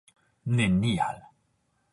nenial